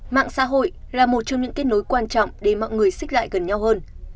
mạng xã hội là một trong những kết nối quan trọng để mọi người xích lại gần nhau hơn